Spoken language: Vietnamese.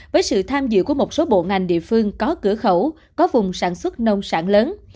với sự tham dự của một số bộ ngành địa phương có cửa khẩu có vùng sản xuất nông sản lớn